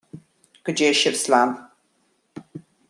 Go dté sibh slán